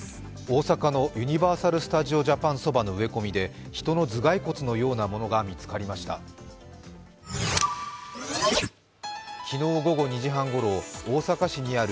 大阪のユニバーサル・スタジオ・ジャパンそばの植え込みで人の頭蓋骨のようなものが見つかりました。